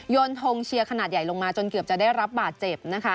นทงเชียร์ขนาดใหญ่ลงมาจนเกือบจะได้รับบาดเจ็บนะคะ